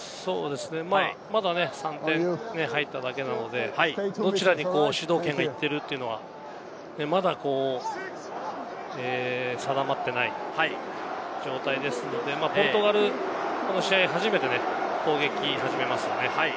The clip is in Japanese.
まだ３点入っただけなので、どちらに主導権が行っているというのは定まっていない状態ですので、ポルトガルはこの試合、初めて攻撃を始めますね。